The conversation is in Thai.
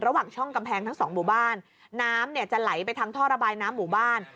ระหว่างช่องกำแพงทั้งสองหมู่บ้านน้ำเนี่ยจะไหลไปทางท่อระบายน้ำหมู่บ้าน